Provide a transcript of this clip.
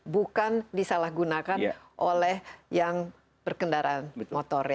bukan disalahgunakan oleh yang berkendara motor